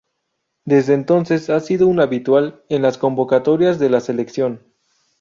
Desde entonces ha sido un habitual en las convocatorias de la selección.